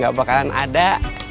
gak bakalan ada